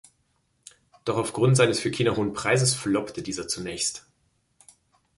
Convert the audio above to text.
Doch auf Grund seines für China hohen Preises „floppte“ dieser zunächst.